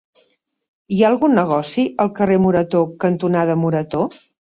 Hi ha algun negoci al carrer Morató cantonada Morató?